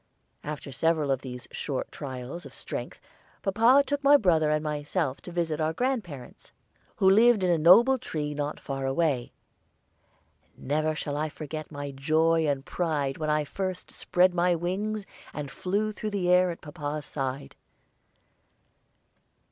After several of these short trials of strength papa took my brother and myself to visit our grandparents, who lived in a noble tree not far away. Never shall I forget my joy and pride when I first spread my wings and flew through the air at papa's side.